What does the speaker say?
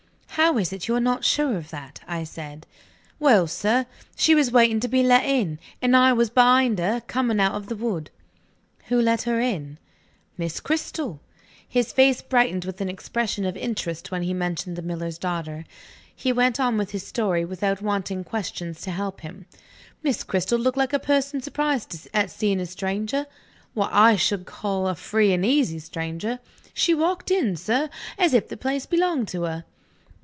"How is it you are not sure of that?" I said. "Well, sir, she was waiting to be let in; and I was behind her, coming out of the wood." "Who let her in?" "Miss Cristel." His face brightened with an expression of interest when he mentioned the miller's daughter. He went on with his story without wanting questions to help him. "Miss Cristel looked like a person surprised at seeing a stranger what I should call a free and easy stranger. She walked in, sir, as if the place belonged to her."